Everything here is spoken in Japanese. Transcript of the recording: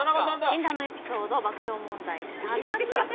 「禁断のエピソード爆笑問題田中」